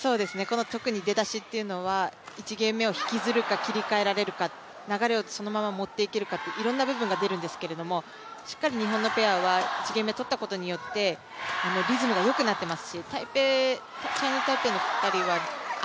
特に出だしというのは１ゲーム目を引きずるか切り替えられるか流れをそのまま持って行けるかいろんな部分が出るんですがしっかり日本のペアは１ゲーム目とったことによってリズムが良くなってます